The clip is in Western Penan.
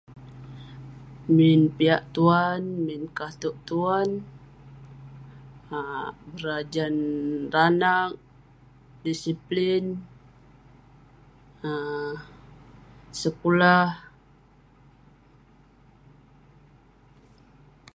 Min piak tuan, min ka'touk tuan um berajan ireh anag, disiplin um sekulah.